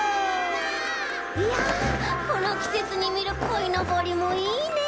いやこのきせつにみるこいのぼりもいいねえ！